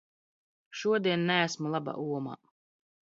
Šodien neesmu labā omā.